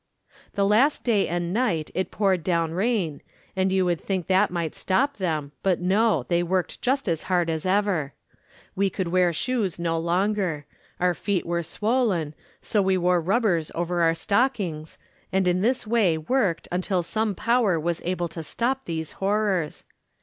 The last day and night it poured down rain, and you would think that might stop them, but no, they worked just as hard as ever. We could wear shoes no longer. Our feet were swollen, so we wore rubbers over our stockings, and in this way worked until some power was able to stop these horrors.